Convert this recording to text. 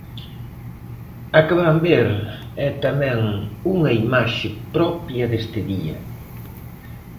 A que van ver é tamén unha imaxe propia deste día.